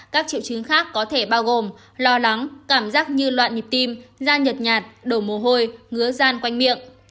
các triệu chứng khác có thể bao gồm lo lắng cảm giác như loạn nhịp tim da nhật nhạt đổ mồ hôi ngứa dan quanh miệng